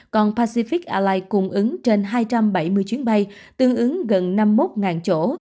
còn pacific airlines cùng ứng trên hai trăm bảy mươi chuyến bay tương ứng gần năm mươi một chỗ